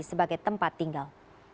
sebagai tempat tinggal